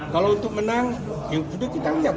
kalau untuk menang ya sudah kita lihat